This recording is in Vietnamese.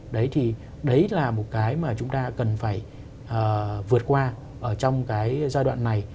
đấy thì đấy là một cái mà chúng ta cần phải vượt qua trong cái giai đoạn này